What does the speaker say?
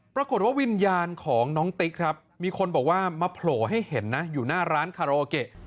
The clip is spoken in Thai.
วิญญาณของน้องติ๊กครับมีคนบอกว่ามาโผล่ให้เห็นนะอยู่หน้าร้านคาราโอเกะ